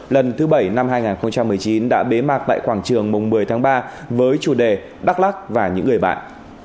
lần thứ bảy năm hai nghìn một mươi chín đã bế mạc tại quảng trường mùng một mươi tháng ba với chủ đề đắk lắc và những người bạn